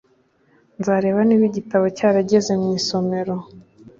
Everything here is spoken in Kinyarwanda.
Nzareba niba igitabo cyarageze mu isomero.